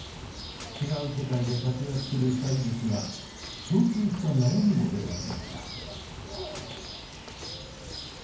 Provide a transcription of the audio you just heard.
違う世界で活躍する２人ですが共通した悩みも出てきました。